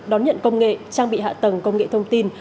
đón nhận công nghệ trang bị hạ tầng công nghệ thông tin